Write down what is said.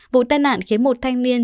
vụ tai nạn khiến một thanh niên